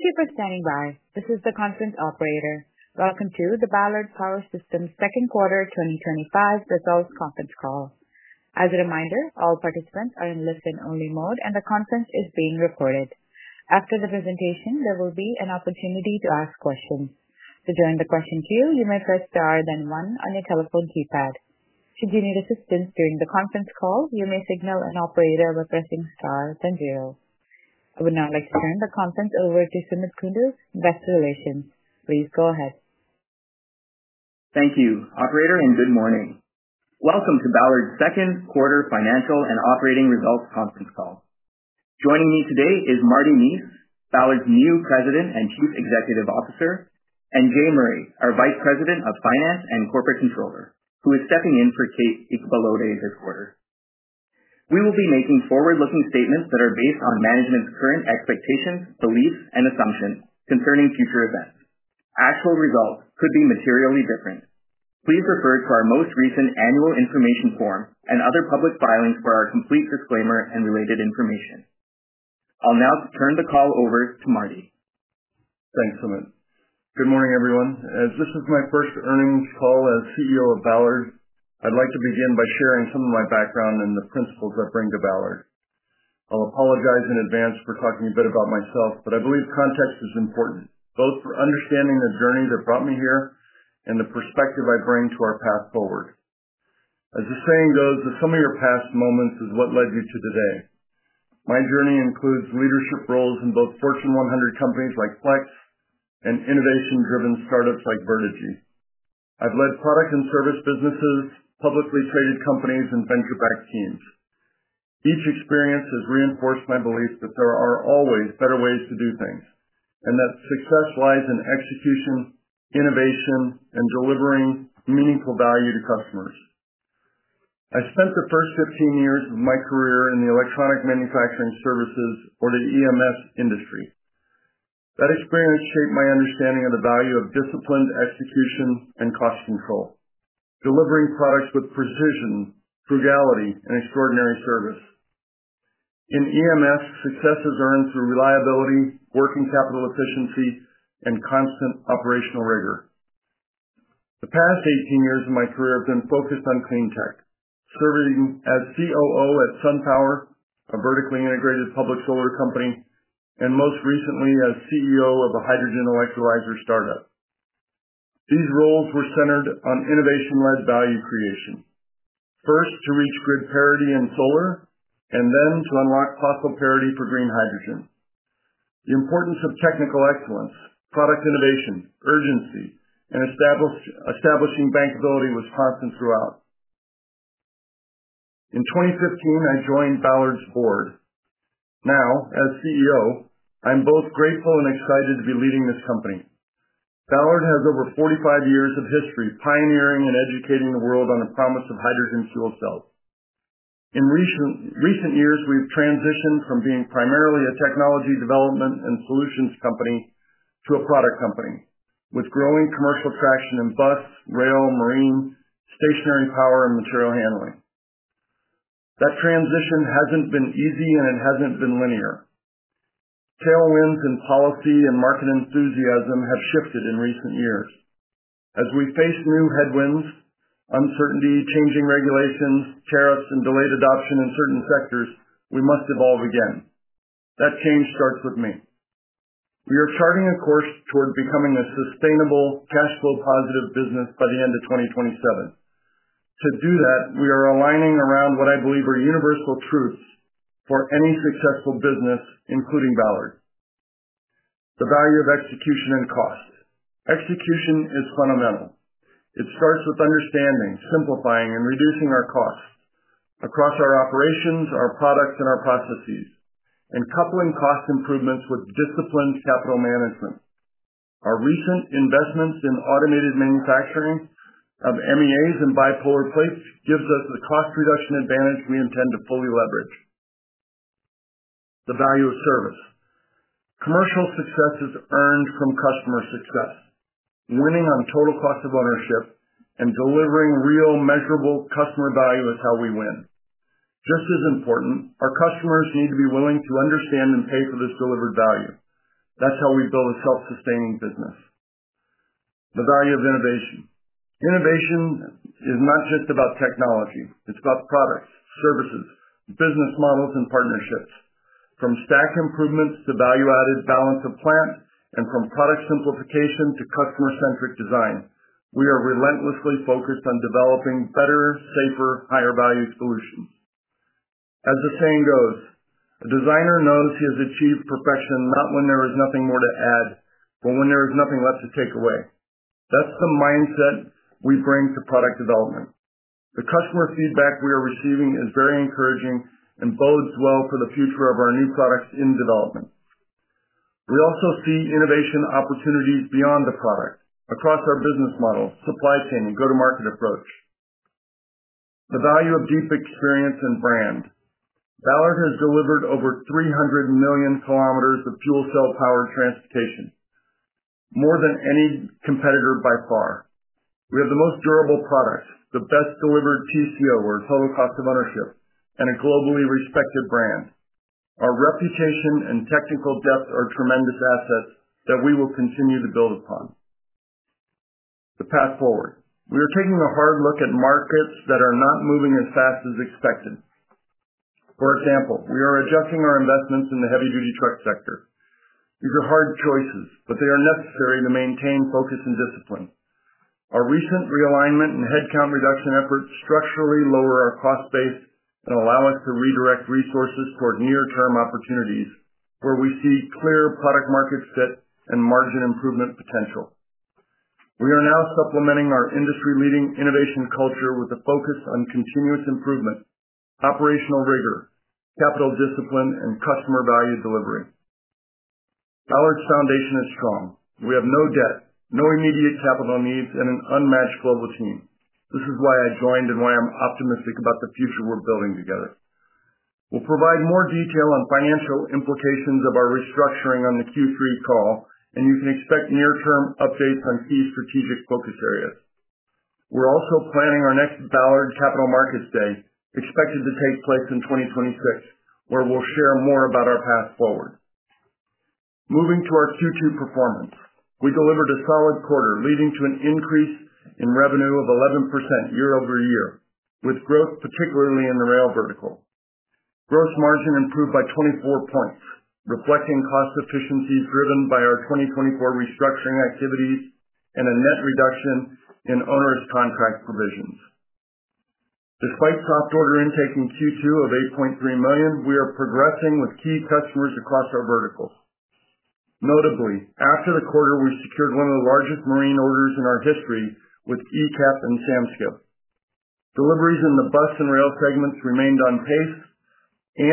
Thank you for standing by. This is the conference operator. Welcome to the Ballard Power Systems Second Quarter 2025 Results Conference Call. As a reminder, all participants are in listen-only mode, and the conference is being recorded. After the presentation, there will be an opportunity to ask questions. To join the question queue, you may press star, then one on your telephone keypad. Should you need assistance during the conference call, you may signal an operator by pressing star, then zero. I would now like to turn the conference over to Sumit Kundu. Desk relations, please go ahead. Thank you, operator, and good morning. Welcome to Ballard Power Systems' second quarter financial and operating results conference call. Joining me today is Marty Neese, Ballard Power Systems' new President and Chief Executive Officer, and Jay Murray, our Vice President of Finance and Corporate Controller, who is stepping in for Kate Igbalode this quarter. We will be making forward-looking statements that are based on management's current expectations, beliefs, and assumptions concerning future events. Actual results could be materially different. Please refer to our most recent annual information form and other public filings for our complete disclaimer and related information. I'll now turn the call over to Marty. Thanks, Sumit. Good morning, everyone. As this is my first earnings call as CEO of Ballard, I'd like to begin by sharing some of my background and the principles I bring to Ballard. I'll apologize in advance for talking a bit about myself, but I believe context is important, both for understanding the journey that brought me here and the perspective I bring to our path forward. As the saying goes, the sum of your past moments is what led you to today. My journey includes leadership roles in both Fortune 100 companies like Flex and innovation-driven startups like Vertigi. I've led product and service businesses, publicly traded companies, and venture-backed teams. Each experience has reinforced my belief that there are always better ways to do things, and that success lies in execution, innovation, and delivering meaningful value to customers. I spent the first 15 years of my career in the electronic manufacturing services, or the EMS industry. That experience shaped my understanding of the value of disciplined execution and cost control, delivering products with precision, frugality, and extraordinary service. In EMS, success is earned through reliability, working capital efficiency, and constant operational rigor. The past 18 years of my career have been focused on clean tech, serving as COO at SunPower, a vertically integrated public solar company, and most recently as CEO of a hydrogen electrolyzer startup. These roles were centered on innovation-led value creation, first to reach grid parity in solar and then to unlock possible parity for green hydrogen. The importance of technical excellence, product innovation, urgency, and establishing bankability was constant throughout. In 2015, I joined Ballard's board. Now, as CEO, I'm both grateful and excited to be leading this company. Ballard has over 45 years of history pioneering and educating the world on the promise of hydrogen fuel cells. In recent years, we've transitioned from being primarily a technology development and solutions company to a product company, with growing commercial traction in bus, rail, marine, stationary power, and material handling. That transition hasn't been easy, and it hasn't been linear. Tailwinds in policy and market enthusiasm have shifted in recent years. As we face new headwinds, uncertainty, changing regulations, tariffs, and delayed adoption in certain sectors, we must evolve again. That change starts with me. We are charting a course toward becoming a sustainable, cash-flow-positive business by the end of 2027. To do that, we are aligning around what I believe are universal truths for any successful business, including Ballard's: the value of execution and cost. Execution is fundamental. It starts with understanding, simplifying, and reducing our costs across our operations, our products, and our processes, and coupling cost improvements with disciplined capital management. Our recent investments in automated manufacturing of MEAs and bipolar plates give us the cost reduction advantage we intend to fully leverage. The value of service. Commercial success is earned from customer success. Winning on total cost of ownership and delivering real, measurable customer value is how we win. Just as important, our customers need to be willing to understand and pay for this delivered value. That's how we build a self-sustaining business. The value of innovation. Innovation is not just about technology. It's about products, services, business models, and partnerships. From stack improvements to value-added balance of plant, and from product simplification to customer-centric design, we are relentlessly focused on developing better, safer, higher-value solutions. As the saying goes, a designer knows he has achieved perfection not when there is nothing more to add, but when there is nothing left to take away. That's the mindset we bring to product development. The customer feedback we are receiving is very encouraging and bodes well for the future of our new products in development. We also see innovation opportunities beyond the product, across our business models, supply chain, and go-to-market approach. The value of deep experience and brand. Ballard has delivered over 300 million km of fuel cell-powered transportation, more than any competitor by far. We have the most durable products, the best-delivered TCO, or total cost of ownership, and a globally respected brand. Our reputation and technical depth are tremendous assets that we will continue to build upon. The path forward. We are taking a hard look at markets that are not moving as fast as expected. For example, we are adjusting our investments in the heavy-duty truck sector. These are hard choices, but they are necessary to maintain focus and discipline. Our recent realignment and headcount reduction efforts structurally lower our cost base and allow us to redirect resources toward near-term opportunities where we see clear product-market fit and margin improvement potential. We are now supplementing our industry-leading innovation culture with a focus on continuous improvement, operational rigor, capital discipline, and customer value delivery. Ballard's foundation is strong. We have no debt, no immediate capital needs, and an unmatched global team. This is why I joined and why I'm optimistic about the future we're building together. We'll provide more detail on financial implications of our restructuring on the Q3 call, and you can expect near-term updates on key strategic focus areas. We're also planning our next Ballard Capital Markets Day, expected to take place in 2026, where we'll share more about our path forward. Moving to our Q2 performance, we delivered a solid quarter, leading to an increase in revenue of 11% year-over-year, with growth particularly in the rail vertical. Gross margin improved by 24 points, reflecting cost efficiency driven by our 2024 restructuring activities and a net reduction in owner's contract provisions. Despite soft order intake in Q2 of $8.3 million, we are progressing with key customers across our verticals. Notably, after the quarter, we secured one of the largest marine orders in our history with UTAP and Samskip. Deliveries in the bus and rail segments remained on pace,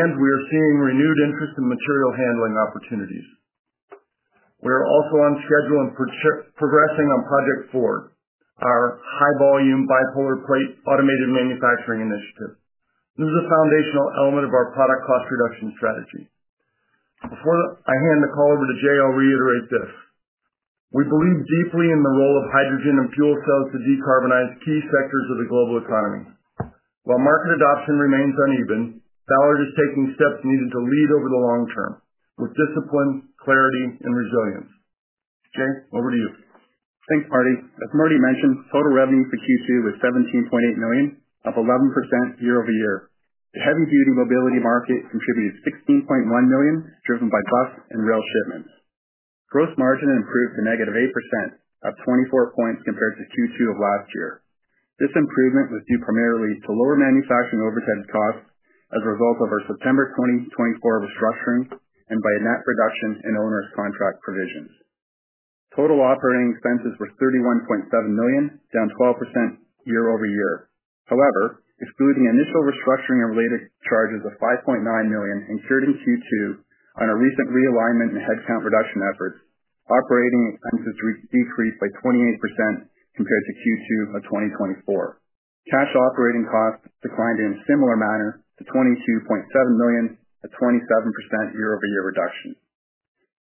and we are seeing renewed interest in material handling opportunities. We are also on schedule and progressing on Project Ford, our high-volume bipolar plate automated manufacturing initiative. This is a foundational element of our product cost reduction strategy. Before I hand the call over to Jay, I'll reiterate this. We believe deeply in the role of hydrogen and fuel cells to decarbonize key sectors of the global economy. While market adoption remains uneven, Ballard is taking steps needed to lead over the long term with discipline, clarity, and resilience. Jay, over to you. Thanks, Marty. As Marty mentioned, total revenue for Q2 was $17.8 million, up 11% year-over-year. The heavy-duty mobility market contributed $16.1 million, driven by bus and rail shipments. Gross margin improved to -8%, up 24 points compared to Q2 of last year. This improvement was due primarily to lower manufacturing overhead costs as a result of our September 2024 restructuring and by a net reduction in owner's contract provisions. Total operating expenses were $31.7 million, down 12% year-over-year. However, excluding initial restructuring and related charges of $5.9 million incurred in Q2 on a recent realignment and headcount reduction efforts, operating expenses decreased by 28% compared to Q2 of 2024. Cash operating costs declined in a similar manner to $22.7 million, a 27% year-over-year reduction.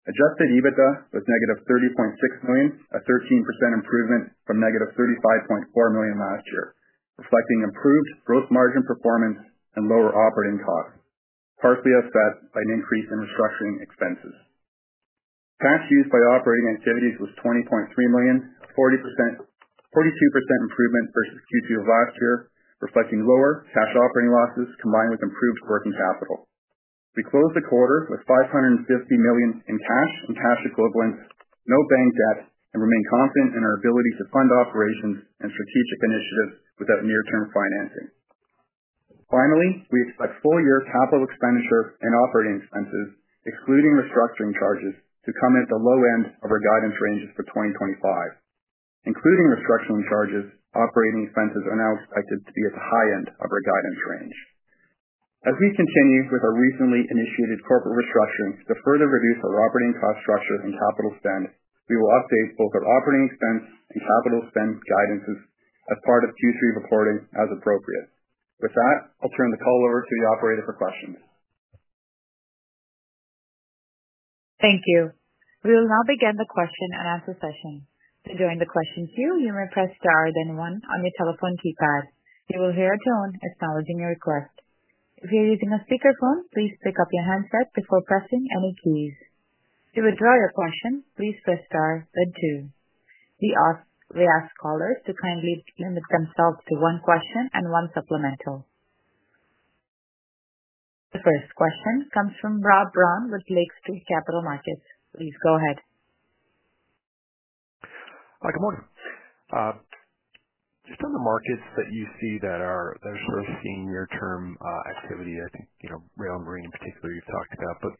Adjusted EBITDA was -$30.6 million, a 13% improvement from -$35.4 million last year, reflecting improved gross margin performance and lower operating costs, partially offset by an increase in restructuring expenses. Cash used by operating activities was $20.3 million, a 42% improvement versus Q2 of last year, reflecting lower cash operating losses combined with improved working capital. We closed the quarter with $550 million in cash and cash equivalent, no bank debt, and remain confident in our ability to fund operations and strategic initiatives without near-term financing. Finally, we expect full-year capital expenditure and operating expenses, excluding restructuring charges, to come at the low end of our guidance ranges for 2025. Including restructuring charges, operating expenses are now expected to be at the high end of our guidance range. As we continue with our recently initiated corporate restructuring to further reduce our operating cost structures and capital spend, we will update both our operating expense and capital spend guidances as part of Q3 reporting as appropriate. With that, I'll turn the call over to the operator for questions. Thank you. We will now begin the question and answer session. To join the question queue, you may press star, then one on your telephone keypad. You will hear a tone acknowledging your request. If you're using a speakerphone, please pick up your handset before pressing any keys. To withdraw your question, please press star, then two. We ask callers to kindly limit themselves to one question and one supplemental. The first question comes from Robert Brown with Lake Street Capital Markets. Please go ahead. Good morning. Just on the markets that you see that are sort of seeing near-term activity, I think rail and marine in particular you've talked about, but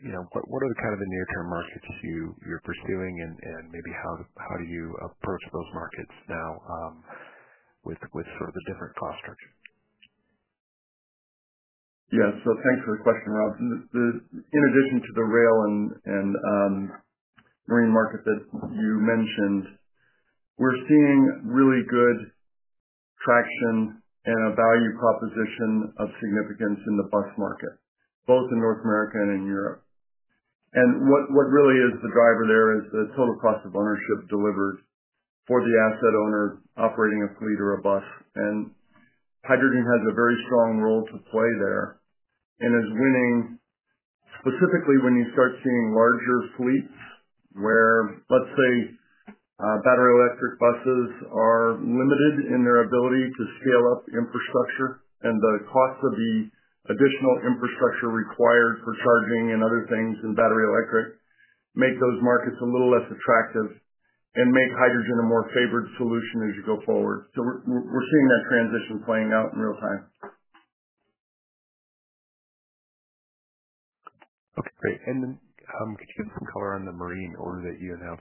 what are the kind of the near-term markets that you see you're pursuing and maybe how do you approach those markets now with sort of a different prospect? Yeah, thanks for the question, Rob. In addition to the rail and marine market that you mentioned, we're seeing really good traction and a value proposition of significance in the bus market, both in North America and in Europe. What really is the driver there is the total cost of ownership delivered for the asset owners operating a fleet or a bus, and hydrogen has a very strong role to play there. It's winning specifically when you start seeing larger fleets where, let's say, battery electric buses are limited in their ability to scale up infrastructure, and the cost of the additional infrastructure required for charging and other things in battery electric make those markets a little less attractive and make hydrogen a more favored solution as you go forward. We're seeing that transition playing out in real time. Okay, great. Could you color on the marine order that you have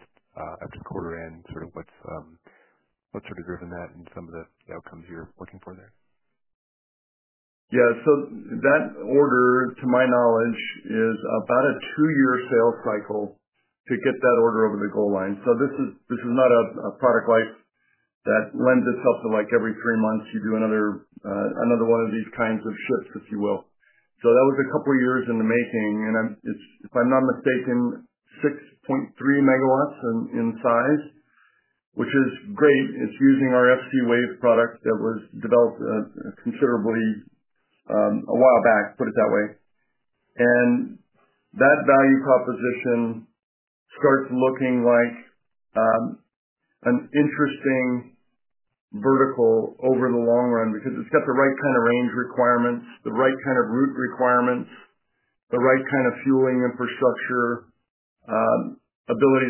after quarter end, sort of what's driven that and some of the outcomes you're looking for there? Yeah, that order, to my knowledge, is about a two-year sales cycle to get that order over the goal line. This is not a product life that lends itself to like every three months you do another one of these kinds of shifts, if you will. That was a couple of years in the making, and it's, if I'm not mistaken, 6.3 MW in size, which is great. It's using our FC Wave product that was developed considerably a while back, put it that way. That value proposition starts looking like an interesting vertical over the long run because it's got the right kind of range requirement, the right kind of route requirement, the right kind of fueling infrastructure, ability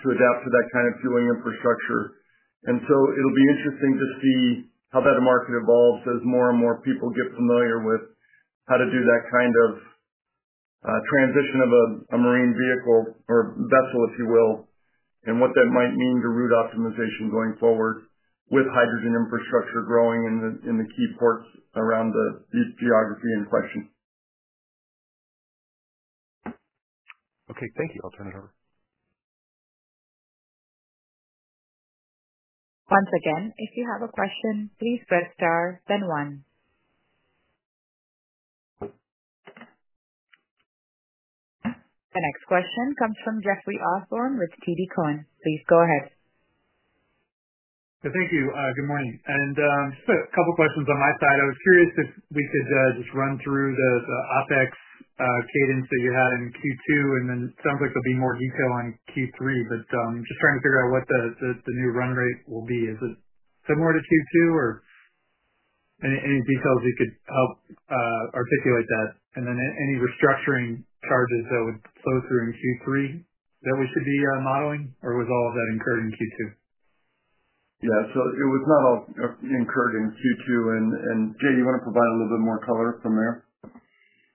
to adapt to that kind of fueling infrastructure. It'll be interesting to see how that market evolves as more and more people get familiar with how to do that kind of transition of a marine vehicle or vessel, if you will, and what that might mean to route optimization going forward with hydrogen infrastructure growing in the key ports around the geography in question. Okay, thank you. I'll turn it over. Once again, if you have a question, please press star, then one. The next question comes from Jeffrey Osborne with TD Cowen. Please go ahead. Thank you. Good morning. Just a couple of questions on my side. I was curious if we could just run through the OpEx savings that you had in Q2, and it sounds like there'll be more detail on Q3. I'm just trying to figure out what the new run rate will be. Is it similar to Q2, or any details you could help articulate that? Any restructuring charges that would flow through in Q3 that we could be modeling, or was all of that incurred in Q2? Yeah, it was not all incurred in Q2. Jay, you want to provide a little bit more color from there?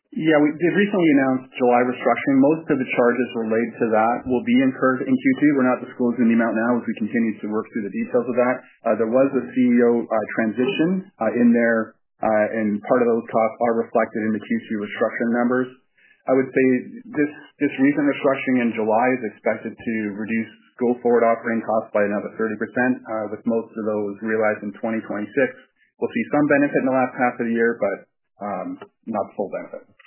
Yeah, we did recently announce July restructuring. Most of the charges related to that will be incurred in Q2. We're not disclosing any amount now as we continue to work through the details of that. There was a CEO transition in there, and part of those costs are reflected in the Q2 restructuring numbers. I would say this recent restructuring in July is expected to reduce goal-forward operating costs by another 30%, with most of those realized in 2026. We'll see some benefit in the last half of the year, but not the full benefit.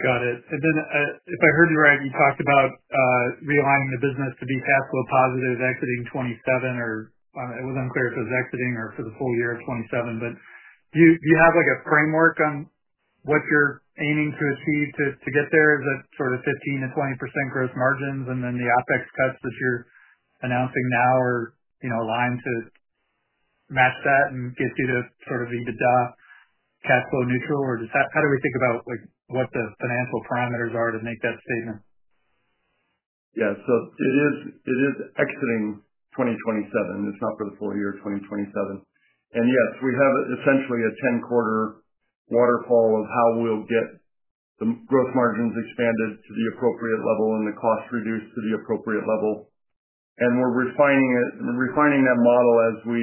Got it. If I heard you right, you talked about realignment of business to be capital positive exiting 2027, or it was unclear if it was exiting or for the full year of 2027, but do you have like a framework on what you're aiming to achieve to get there? Is it sort of 15%-20% gross margins and then the OpEx cuts that you're announcing now are aligned to match that and get you to sort of EBITDA cash flow neutral, or does that, how do we think about like what the financial parameters are to make that statement? Yeah, it is exiting 2027. It's not for the full year of 2027. Yes, we have essentially a 10-quarter waterfall of how we'll get the gross margins expanded to the appropriate level and the cost reduced to the appropriate level. We're refining it and refining that model as we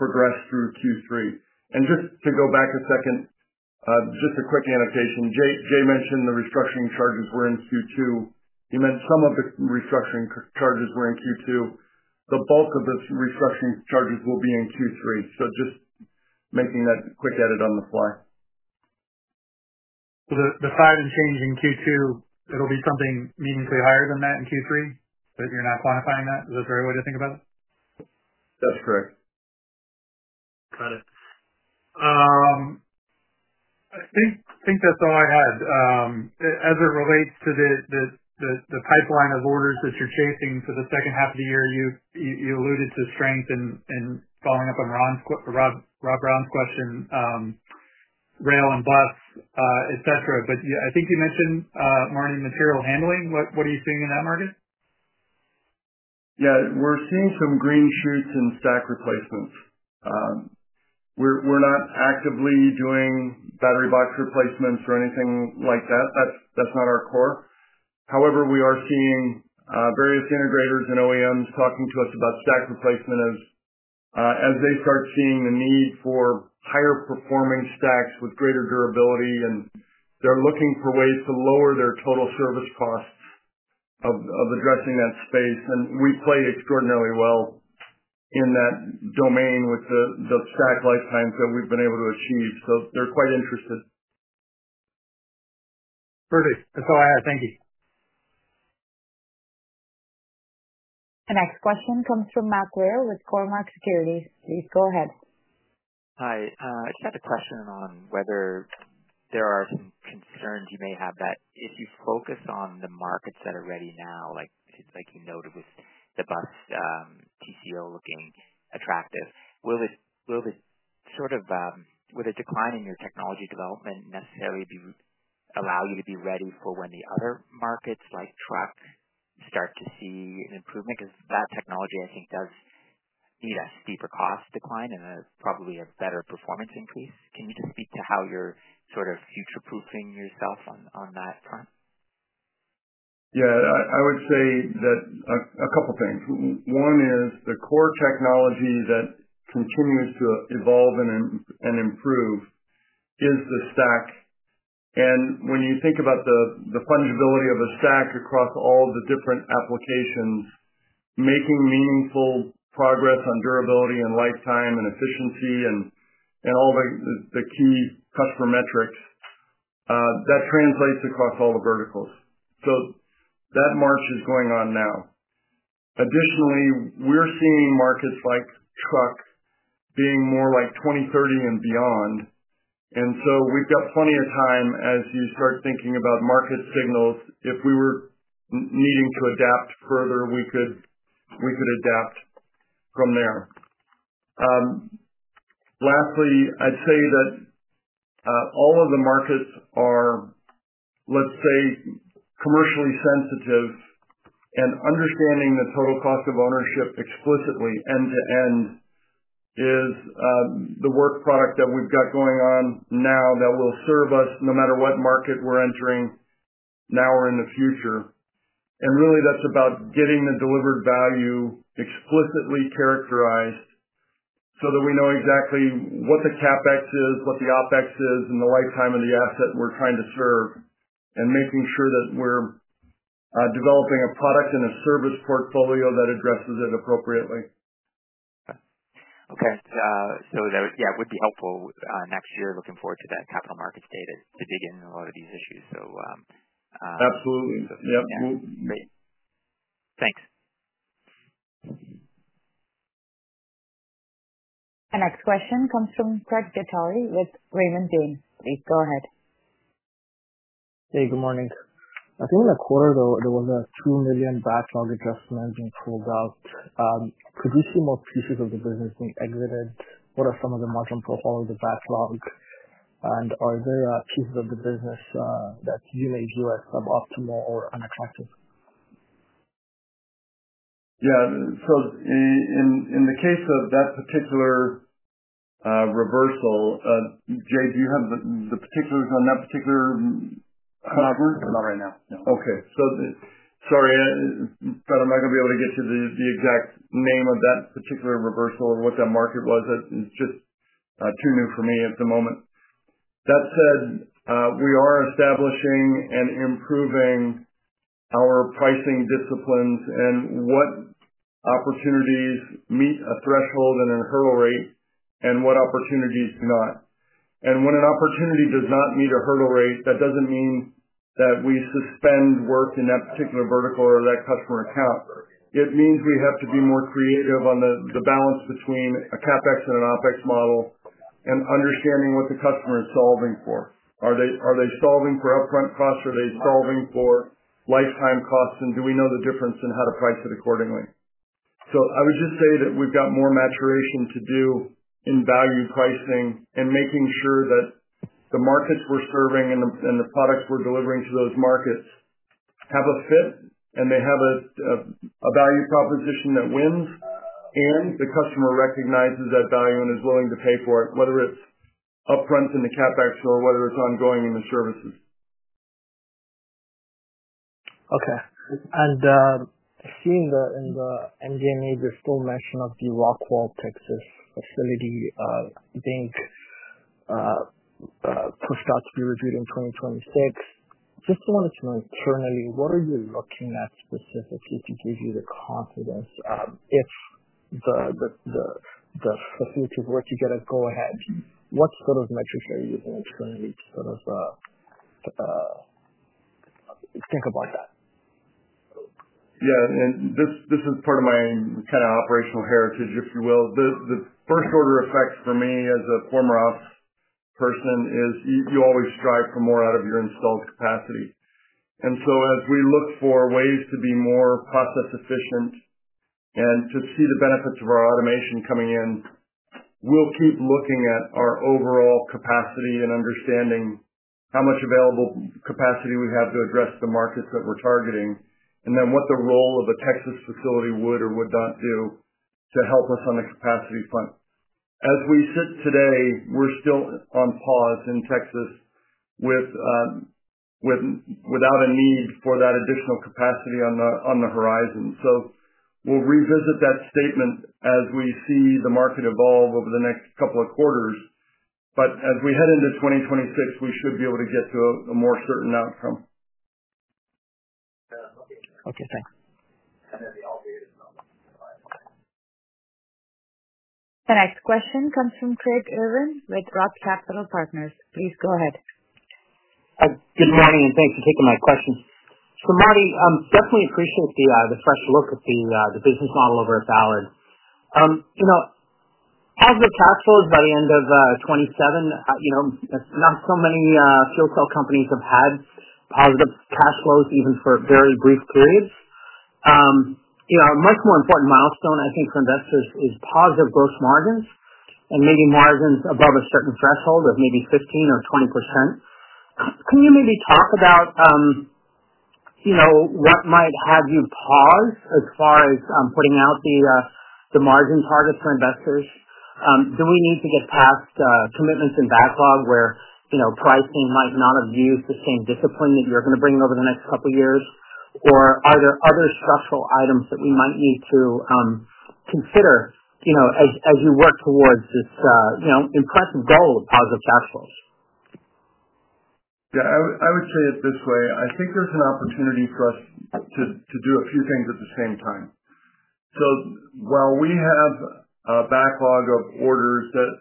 progress through Q3. Just to go back a second, just a quick annotation. Jay mentioned the restructuring charges were in Q2. He meant some of the restructuring charges were in Q2. The bulk of the restructuring charges will be in Q3. Just making that quick edit on the fly. The size and change in Q2, it'll be something meaningfully higher than that in Q3, but you're not quantifying that. Is that a fair way to think about it? That's correct. Got it. I think that's all I had. As it relates to the pipeline of orders that you're chasing for the second half of the year, you alluded to strength and following up on Rob Brown's question, rail and bus, et cetera. I think you mentioned marine material handling. What are you seeing in that market? Yeah, we're seeing some green shoots in stack replacements. We're not actively doing battery box replacements or anything like that. That's not our core. However, we are seeing various integrators and OEMs talking to us about stack replacement as they start seeing the need for higher performing stacks with greater durability, and they're looking for ways to lower their total service costs of addressing that space. We play extraordinarily well in that domain with the stack lifetimes that we've been able to achieve. They're quite interested. Perfect. That's all I had. Thank you. The next question comes from Mac Whale with Cormark Securities. Please go ahead. Hi. I just had a question on whether there are concerns you may have that if you focus on the markets that are ready now, like you noticed the bus TCO looking attractive, will the decline in your technology development necessarily allow you to be ready for when the other markets like trucks start to see an improvement? That technology, I think, does need a deeper cost decline and is probably a better performance increase. Can you speak to how you're sort of future-proofing yourself on that front? I would say that a couple of things. One is the core technology that continues to evolve and improve is the stack. When you think about the fundability of a stack across all the different applications, making meaningful progress on durability and lifetime and efficiency and all the key customer metrics, that translates across all the verticals. That march is going on now. Additionally, we're seeing markets like trucks being more like 2030 and beyond, and we've got plenty of time as you start thinking about market signals. If we were needing to adapt further, we could adapt from there. Lastly, I'd say that all of the markets are, let's say, commercially sensitive, and understanding the total cost of ownership explicitly end to end is the work product that we've got going on now that will serve us no matter what market we're entering now or in the future. Really, that's about getting the delivered value explicitly characterized so that we know exactly what the CapEx is, what the OpEx is, and the lifetime of the asset we're trying to serve, and making sure that we're developing a product and a service portfolio that addresses it appropriately. Okay, it would be helpful next year. Looking forward to that capital markets day to dig into a lot of these issues. Absolutely. Yeah. Great. Thanks. The next question comes from Craig Gattari with Raymond James. Please go ahead. Hey, good morning. I feel like a quarter ago, there was a $2 million batch log addressed in full value. Could we see more pieces of the business being exited? What are some of the margin profile of the batch logs? Are there pieces of the business that you may view as suboptimal or unacross? In the case of that particular reversal, Jay, do you have the particulars on that particular platform? Not right now. Okay. Sorry, I thought I might not be able to get to the exact name of that particular reversal or what that market was. It's just too new for me at the moment. That said, we are establishing and improving our pricing disciplines and what opportunities meet a threshold and a hurdle rate and what opportunities do not. When an opportunity does not meet a hurdle rate, that doesn't mean that we suspend work in that particular vertical or that customer account. It means we have to be more creative on the balance between a CapEx and an OpEx model and understanding what the customer is solving for. Are they solving for upfront costs or are they solving for lifetime costs? Do we know the difference in how to price it accordingly? I would just say that we've got more maturation to do in value pricing and making sure that the markets we're serving and the product we're delivering to those markets have a fit and they have a value proposition that wins and the customer recognizes that value and is willing to pay for it, whether it's upfront in the CapEx or whether it's ongoing in the services. Okay. Seeing that in the MJNA, there's still mention of the Rockwall, Texas facility, I think pushed out to be reviewed in 2026. I just wanted to know internally, what are you looking at specifically to give you the confidence if the facility of work you get as go ahead, what sort of metrics are you looking at internally to sort of think about that? Yeah. This is part of my kind of operational heritage, if you will. The first order effect for me as a former ops person is you always strive for more out of your installed capacity. As we look for ways to be more process efficient and to see the benefits of our automation coming in, we'll keep looking at our overall capacity and understanding how much available capacity we have to address the markets that we're targeting and then what the role of a Texas facility would or would not do to help us on the capacity front. As we sit today, we're still on pause in Texas without a need for that additional capacity on the horizon. We'll revisit that statement as we see the market evolve over the next couple of quarters. As we head into 2026, we should be able to get to a more certain outcome. Okay, thanks. The next question comes from Craig Irwin with ROTH Capital Partners. Please go ahead. Good morning, and thanks for taking my question. Marty, I definitely appreciate the fresh look at the business model over at Ballard. As the cash flow is by the end of 2027, you know, not so many fuel cell companies have had positive cash flows even for very brief periods. A much more important milestone, I think, for investors is positive gross margins and maybe margins above a certain threshold of maybe 15% or 20%. Can you maybe talk about what might have you pause as far as putting out the margin target for investors? Do we need to get past commitments and backlog where pricing might not abuse the same discipline that you're going to bring over the next couple of years? Are there other structural items that we might need to consider as we work towards this impressive goal of positive cash flows? Yeah, I would say it this way. I think there's an opportunity for us to do a few things at the same time. While we have a backlog of orders that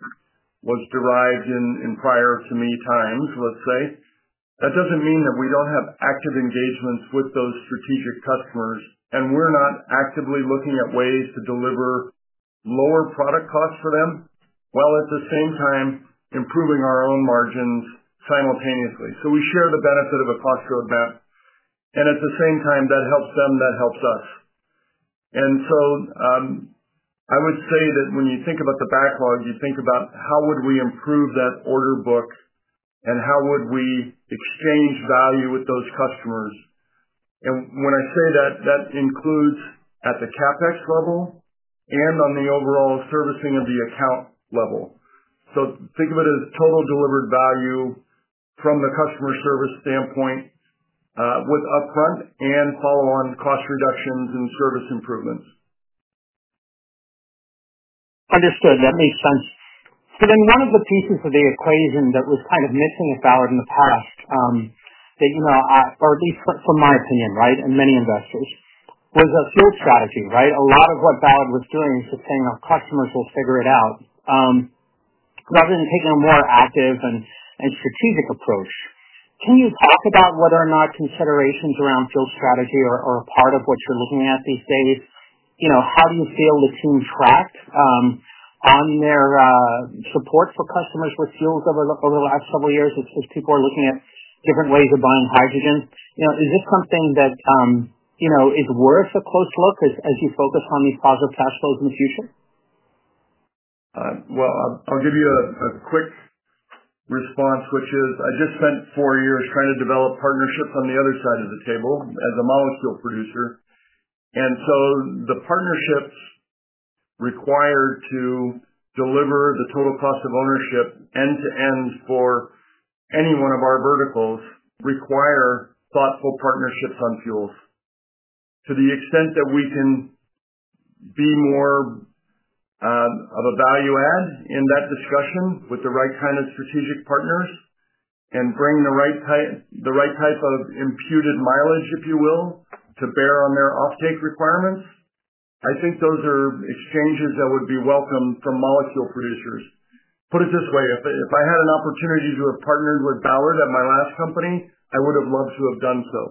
were derived in prior to me times, let's say, that doesn't mean that we don't have active engagements with those strategic customers, and we're not actively looking at ways to deliver lower product costs for them while at the same time improving our own margins simultaneously. We share the benefit of a posture of that. At the same time, that helps them, that helps us. I would say that when you think about the backlog, you think about how would we improve that order book and how would we exchange value with those customers. When I say that, that includes at the CapEx level and on the overall servicing of the account level. Think of it as total delivered value from the customer service standpoint, with upfront and follow-on cost reductions and service improvements. Understood. That makes sense. Because then one of the pieces of the equation that was kind of missing with Ballard Power Systems in the past, that you know, or at least from my opinion, right, and many investors, was a fuel strategy, right? A lot of what Ballard was doing is just saying, "Oh, customers will figure it out," rather than taking a more active and strategic approach. Can you talk about whether or not considerations around fuel strategy are a part of what you're looking at these days? How do you feel the team tracked on their support for customers with fuels over the last several years as people are looking at different ways of buying hydrogen? Is this something that is worth a close look as you focus on these positive cash flows in the future? I will give you a quick response, which is I just spent four years trying to develop partnerships on the other side of the table as a molecule producer. The partnerships required to deliver the total cost of ownership end to end for any one of our verticals require thoughtful partnerships on fuels. To the extent that we can be more of a value add in that discussion with the right kind of strategic partners and bring the right type of imputed mileage, if you will, to bear on their offtake requirements, I think those are exchanges that would be welcome from molecule producers. Put it this way, if I had an opportunity to have partnered with Ballard at my last company, I would have loved to have done so.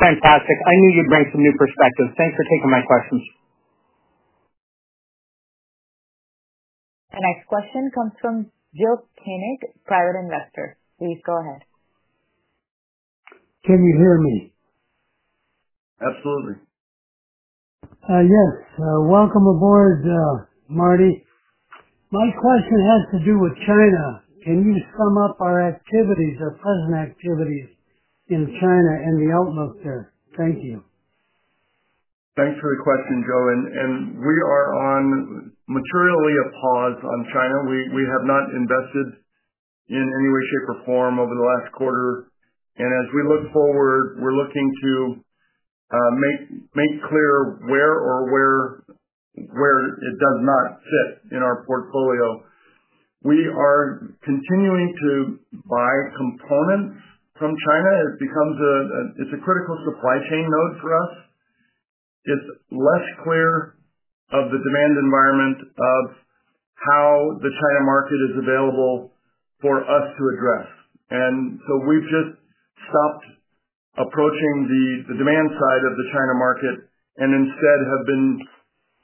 Fantastic. I knew you'd bring some new perspectives. Thanks for taking my questions. The next question comes from Joe Koenig, private investor. Please go ahead. Can you hear me? Absolutely. Yes. Welcome aboard, Marty. My question had to do with China. Can you sum up our activities, our present activities in China and the outlook there? Thank you. Thanks for the question, Joe. We are on materially a pause on China. We have not invested in any way, shape, or form over the last quarter. As we look forward, we're looking to make clear where or where it does not fit in our portfolio. We are continuing to buy components from China. It's become a critical supply chain node for us. It's less clear of the demand environment of how the China market is available for us to address. We have just stopped approaching the demand side of the China market and instead have been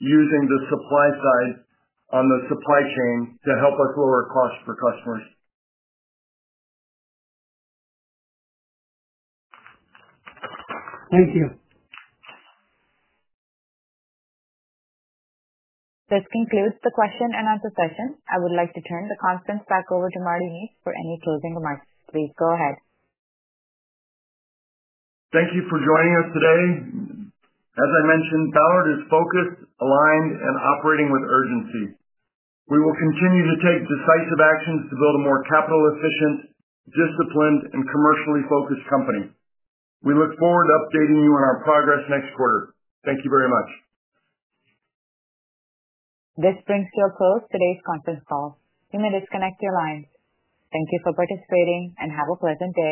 using the supply side on the supply chain to help us lower costs for customers. Thank you. This concludes the question and answer session. I would like to turn the conference back over to Marty Neese for any closing remarks. Please go ahead. Thank you for joining us today. As I mentioned, Ballard is focused, aligned, and operating with urgency. We will continue to take decisive actions to build a more capital-efficient, disciplined, and commercially focused company. We look forward to updating you on our progress next quarter. Thank you very much. This brings to a close today's conference call. You may disconnect your lines. Thank you for participating and have a pleasant day.